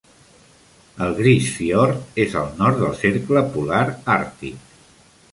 El Grise Fiord és al nord del cercle polar àrtic.